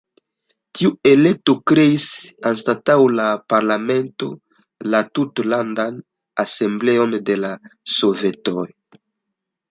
Tiu elekto kreis anstataŭ la parlamento la Tutlandan Asembleon de la Sovetoj.